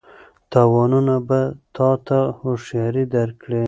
تاوانونه به تا ته هوښیاري درکړي.